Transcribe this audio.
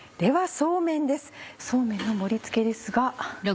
そうめんの盛り付けですが。